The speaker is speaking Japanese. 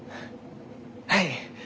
はい！